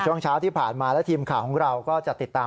ช่วงเช้าที่ผ่านมาและทีมข่าวของเราก็จะติดตาม